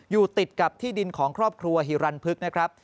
อยู่ติดกับที่ดินของครอบครัวฮิรันพึกนะครับ